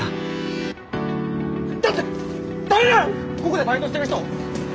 ここでバイトしてる人？